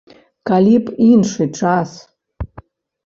Калі б іншы час.